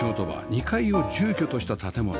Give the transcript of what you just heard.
２階を住居とした建物